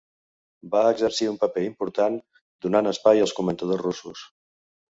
Va "exercir un paper important donant espai als comentadors russos".